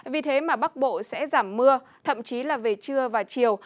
vì thế mà bắc bộ sẽ giảm mưa thậm chí là về trưa và chiều